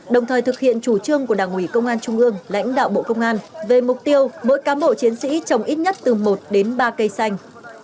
đồng thời thực hiện chủ trương của đảng ủy công an trung ương lãnh đạo bộ công an về mục tiêu mỗi cám bộ chiến sĩ trồng ít nhất từ một đến ba cây xanh